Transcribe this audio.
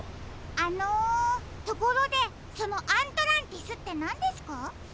あのところでそのアントランティスってなんですか？